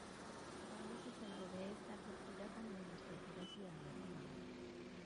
Pablo se salvó de esta tortura cuando demostró que era ciudadano romano.